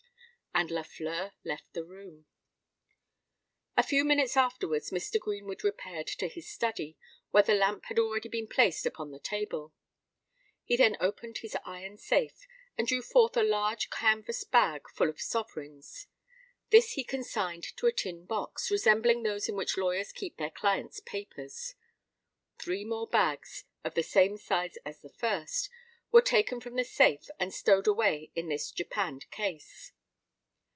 And Lafleur left the room. A few minutes afterwards Mr. Greenwood repaired to his study, where the lamp had already been placed upon the table. He then opened his iron safe, and drew forth a large canvass bag full of sovereigns. This he consigned to a tin box, resembling those in which lawyers keep their clients' papers. Three more bags, of the same size as the first, were taken from the safe and stowed away in this japanned case.